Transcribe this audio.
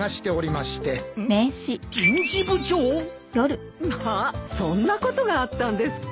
まあそんなことがあったんですか。